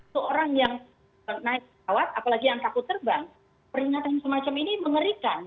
seorang yang naik pesawat apalagi yang takut terbang peringatan semacam ini mengerikan